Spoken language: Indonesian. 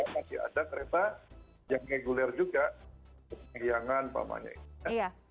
masih ada kereta yang reguler juga yang